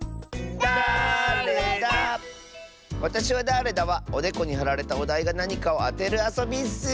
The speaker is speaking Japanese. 「わたしはだれだ？」はおでこにはられたおだいがなにかをあてるあそびッス！